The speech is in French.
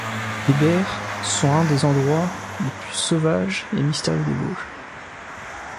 Les Bers sont un des endroits les plus sauvages et mystérieux des Vosges.